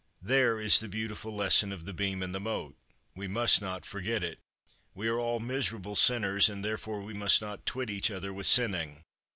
There is the beautiful lesson of the beam and the mote. We must not forget it. We are all miserable sinners, and therefore we must not twit each other with sinning.